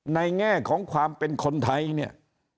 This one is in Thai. ในแง่ของความเป็นคนไทย